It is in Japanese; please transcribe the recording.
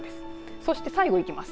そして最後にいきます。